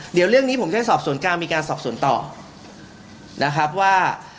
เดี๋ยวเรื่องนี้ผมจะสอบสวนกลางมีการสอบสวนต่อนะครับว่า